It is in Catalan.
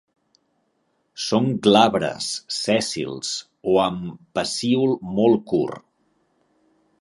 Són glabres, sèssils o amb pecíol molt curt.